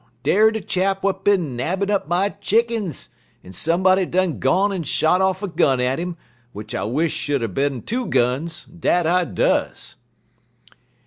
Dar de chap w'at been nabbin' up my chickens, en somebody done gone en shot off a gun at 'im, w'ich I wish she'd er bin two guns dat I does!'